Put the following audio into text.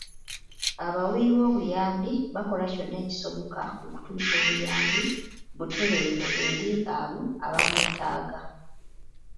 Abawi b'obuyambi bakola kyonna ekisoboka okutuusa obuyambi butereevu eri abo ababwetaaga.